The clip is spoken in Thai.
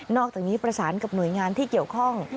อกจากนี้ประสานกับหน่วยงานที่เกี่ยวข้อง